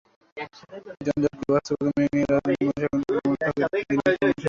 যানজটকে বাস্তবতা মেনে নিয়ে রাজধানীর মানুষ এখন তাদের দিনের কর্মসূচি প্রণয়ন করে।